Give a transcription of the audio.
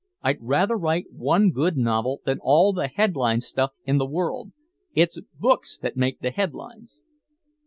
I'd rather write one good novel than all the headline stuff in the world. It's books that make the headlines."